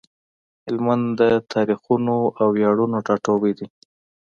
هلمند د تاريخونو او وياړونو ټاټوبی دی۔